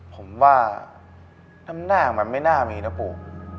ผมว่าน้ำหน้ามันไม่น่ามีนะปู่